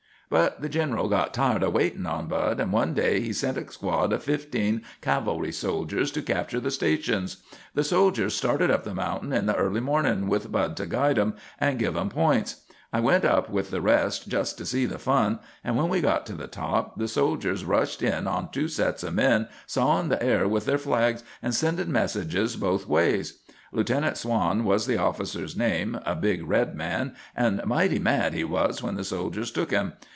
"But the gineral got tired o' waitin' on Bud, and one day he sent a squad of fifteen cavalry soldiers to capture the stations. The soldiers started up the mountain in the early mornin', with Bud to guide 'em and give 'em points. I went up with the rest, just to see the fun, and when we got to the top, the soldiers rushed in on two sets o' men, sawin' the air with their flags and sendin' messages both ways. Lieutenant Swann was the officer's name, a big red man, and mighty mad he was when the soldiers took him.